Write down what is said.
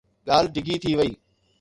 ڳالهه ڊگهي ٿي وئي.